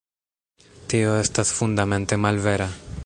Tio estas fundamente malvera.